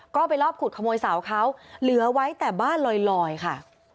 ก็ไปรอบขุดขโมยเสาเขาเหลือไว้แต่บ้านลอยค่ะ